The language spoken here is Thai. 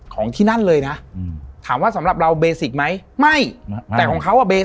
ของที่นั่นเลยนะอืมถามว่าสำหรับเราเบสิกไหมไม่แต่ของเขาอ่ะเบ